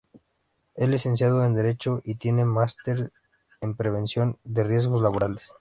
Es licenciado en Derecho y tiene másteres en Prevención de Riesgos Laborales.